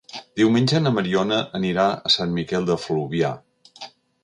Diumenge na Mariona anirà a Sant Miquel de Fluvià.